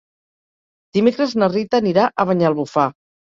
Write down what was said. Dimecres na Rita anirà a Banyalbufar.